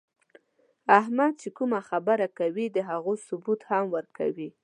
احمد چې کومه خبره کوي، د هغو ثبوت هم ورکوي.